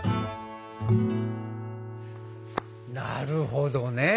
なるほどね。